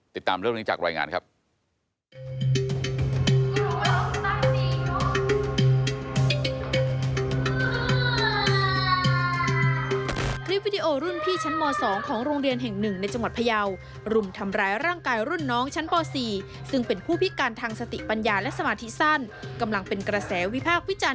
ติดตามเรื่องนี้จากรายงานครับ